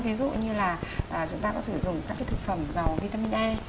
ví dụ như là chúng ta có thể dùng các cái thực phẩm giàu vitamin e